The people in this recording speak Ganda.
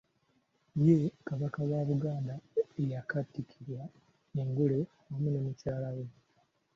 Ye Kabaka wa Buganda eyaakatikkirwa engule wamu ne Mukyala we.